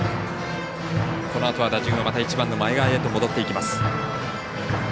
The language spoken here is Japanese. このあとは、また打順が１番の前川へと戻っていきます。